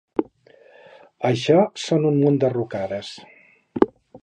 Això són un munt de rucades.